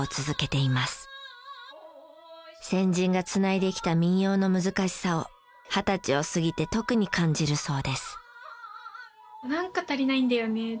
先人が繋いできた民謡の難しさを二十歳を過ぎて特に感じるそうです。